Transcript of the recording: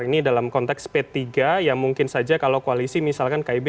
ini dalam konteks p tiga yang mungkin saja kalau koalisi misalkan kib